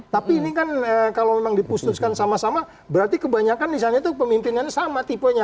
tapi ini kan kalau memang diputuskan sama sama berarti kebanyakan di sana itu pemimpinannya sama tipenya